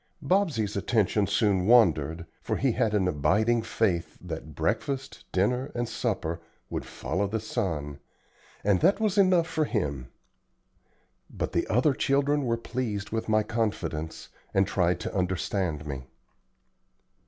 Bobsey's attention soon wandered, for he had an abiding faith that breakfast, dinner, and supper would follow the sun, and that was enough for him. But the other children were pleased with my confidence, and tried to understand me.